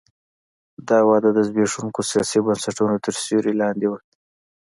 دا وده د زبېښونکو سیاسي بنسټونو تر سیوري لاندې وه.